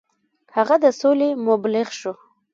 هغه د سولې مبلغ شو.